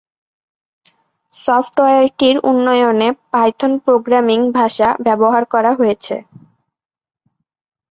সফটওয়্যারটির উন্নয়নে Python programming ভাষা ব্যবহার করা হয়েছে।